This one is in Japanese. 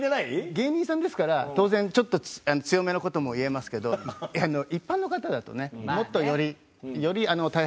芸人さんですから当然ちょっと強めの事も言えますけど一般の方だとねもっとよりより大変な事になりますよ。